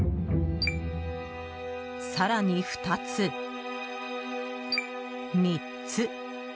更に２つ、３つ。